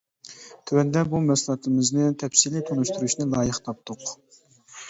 تۆۋەندە بۇ مەھسۇلاتىمىزنى تەپسىلىي تونۇشتۇرۇشنى لايىق تاپتۇق.